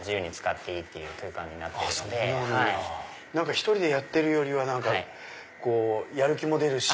１人でやってるよりはやる気も出るし。